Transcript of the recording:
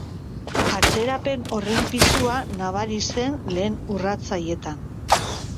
Atzerapen horren pisua nabari zen lehen urrats haietan.